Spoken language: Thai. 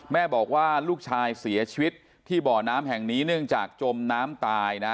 แม่บอกว่าลูกชายเสียชีวิตที่บ่อน้ำแห่งนี้เนื่องจากจมน้ำตายนะ